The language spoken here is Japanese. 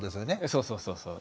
そうそうそうそう。